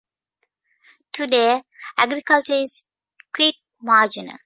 Today, agriculture is quite marginal.